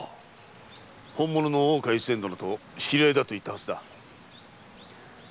本物の大岡越前殿と知り合いだと言ったはずだ。